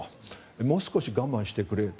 もう少し我慢してくれと。